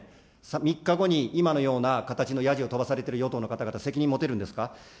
３日後に今のような形のやじを飛ばされてる与党の方々、責任持てるんですか。